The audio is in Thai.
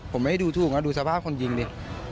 ผมไม่ได้ดูถูกนะดูสภาพคนยิงดิ